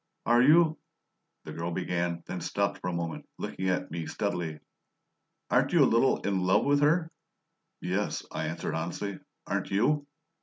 "Are you " the girl began, then stopped for a moment, looking at me steadily. "Aren't you a little in love with her?" "Yes," I answered honestly. "Aren't you?"